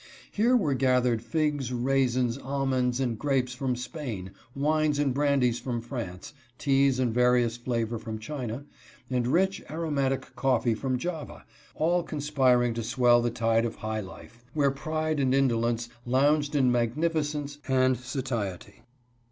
Here were gathered figs, raisins, almonds, and grapes from Spain, wines and bran dies from France, teas of various flavor from China, and rich, aromatic coffee from Java, all conspiring to swell the tide of high life, where pride and indolence lounged in magnificence and satiety.